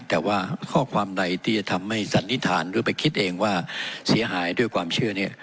แต่ว่าข้อความใดที่จะทำให้สันนิษฐานหรือไปคิดเองว่าเสียหายด้วยความเชื่อเนี่ย